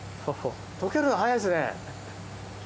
溶けるの早いですね！